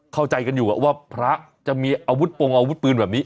เข้าใจกันอยู่ว่าพระจะมีอาวุธปงอาวุธปืนแบบนี้